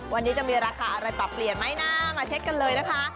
วันนี้จะมีราคาอะไรปรับเปลี่ยนไหมนะมาเช็คกันเลยนะคะ